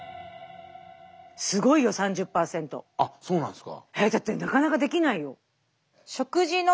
あっそうなんすか。